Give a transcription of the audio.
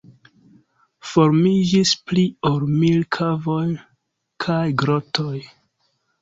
Formiĝis pli ol mil kavoj kaj grotoj.